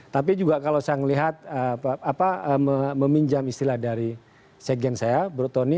tapi juga kalau saya melihat meminjam istilah dari sekjen saya brutoni